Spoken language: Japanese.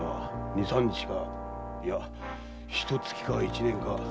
二・三日かいやひと月か一年か。